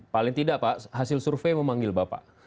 paling tidak pak hasil survei memanggil bapak